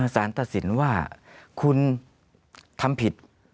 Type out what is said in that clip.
สารตัดสินว่าคุณทำผิด